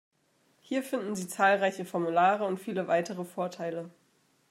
Hier finden Sie zahlreiche Formulare und viele weitere Vorteile.